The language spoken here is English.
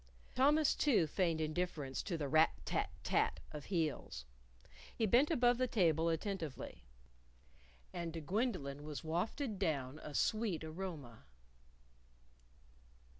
Thomas, too, feigned indifference to the rat! tat! tat! of heels. He bent above the table attentively. And to Gwendolyn was wafted down a sweet aroma.